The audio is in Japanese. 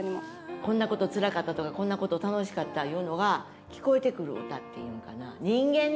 「こんなことつらかった」とか「こんなこと楽しかった」が聞こえて来る歌っていうんかな。